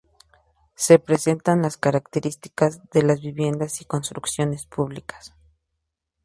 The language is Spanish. Se presentan las características de las viviendas y construcciones públicas.